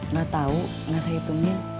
nggak tahu nggak saya hitungin